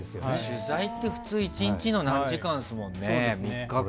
取材って普通１日の何時間ですもんね。